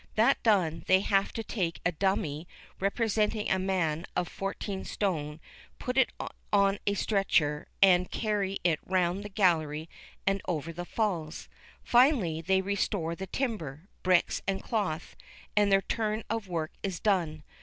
That done, they have to take a dummy representing a man of 14 stone, put it on a stretcher, and carry it round the gallery and over the falls. Finally, they restore the timber, bricks and cloth, and their turn of work is done.